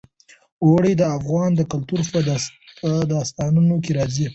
اوړي د افغان کلتور په داستانونو کې راځي.